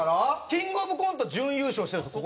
キングオブコント準優勝してるんですよ